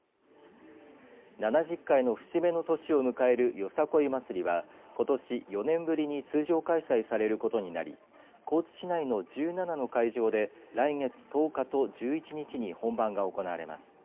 ７０回の節目の年を迎えるよさこい祭りはことし４年ぶりに通常開催されることになり高知市内の１７の会場で来月１０日と１１日に本番が行われます。